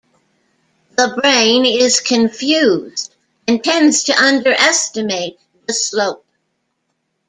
The brain is confused and tends to underestimate the slope.